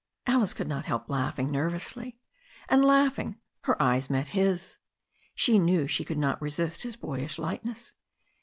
Alice could not help laughing nervously; and, laughing, her eyes met his. She knew she could not resist his boyish lightness.